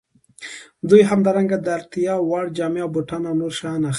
دوی همدارنګه د اړتیا وړ جامې او بوټان او نور شیان اخلي